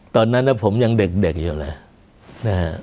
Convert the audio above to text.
ตอนนั้นผมยังเด็กอยู่แหละ